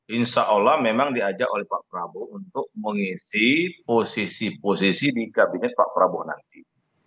insya allah memang diajak oleh pak prabowo untuk mengisi posisi posisi di kabinet pak prabowo nanti